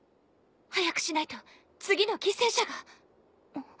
早くしないと次の犠牲者が。